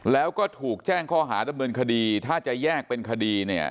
แล้วก็ถูกแจ้งข้อหาดำเนินคดีถ้าจะแยกเป็นคดีเนี่ย